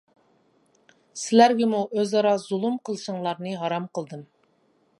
سىلەرگىمۇ ئۆز-ئارا زۇلۇم قىلىشىڭلارنى ھارام قىلدىم.